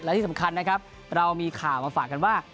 และที่สำคัญนะครับเรามีข่าวมาฝากกันว่า